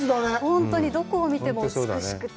本当に、どこを見ても美しくて。